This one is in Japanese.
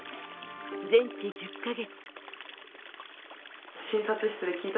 全治１０か月。